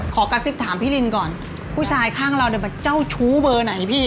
กระซิบถามพี่ลินก่อนผู้ชายข้างเราเนี่ยแบบเจ้าชู้เบอร์ไหนพี่